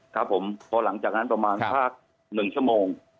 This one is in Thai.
ครับผมพอหลังจากนั้นประมาณสัก๑ชั่วโมง